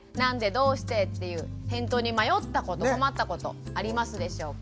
どうして？っていう返答に迷ったこと困ったことありますでしょうか？